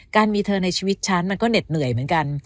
มีเธอในชีวิตฉันมันก็เหน็ดเหนื่อยเหมือนกัน